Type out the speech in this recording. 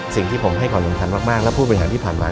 สิ่งที่ผมให้ขอลงทันมากและพูดเป็นอย่างที่ผ่านมาก